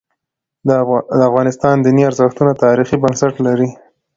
د افغانستان دیني ارزښتونه تاریخي بنسټ لري.